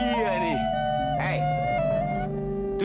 polon dari prapit